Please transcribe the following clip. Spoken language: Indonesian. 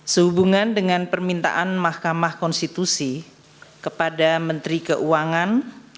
sehubungan dengan permintaan mahkamah konstitusi kepada menteri keuangan